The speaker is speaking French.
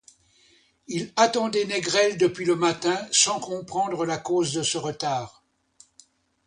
Il attendait Négrel depuis le matin, sans comprendre la cause de ce retard.